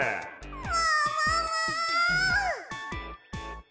ももも！